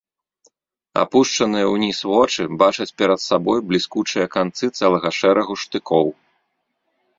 Апушчаныя ўніз вочы бачаць перад сабой бліскучыя канцы цэлага шэрагу штыкоў.